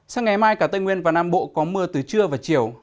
sáng ngày mai cả tây nguyên và nam bộ có mưa từ trưa và chiều